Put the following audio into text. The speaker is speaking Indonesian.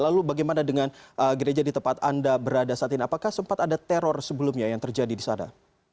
lalu bagaimana dengan gereja di tempat anda berada saat ini apakah sempat ada teror sebelumnya yang terjadi di sana